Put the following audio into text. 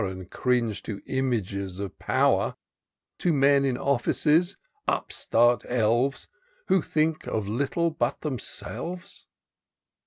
And cringe to images of power ; To men in office, upstart elves, Who think of little but themselves.